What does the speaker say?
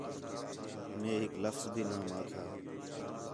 مے ہِک لفظ بھی نام آکھا